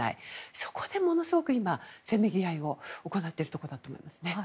そこで、ものすごくせめぎ合いを行っているところだと思います。